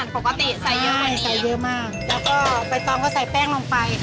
ปกติใส่เยอะมากนี้ใช่ใส่เยอะมากแล้วก็ไปต้องก็ใส่แป้งลงไปค่ะ